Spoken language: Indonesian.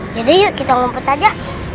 yaudah yuk kita ngumpul tadi